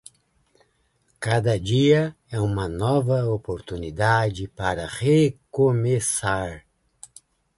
Cada dia é uma nova oportunidade para recomeçar.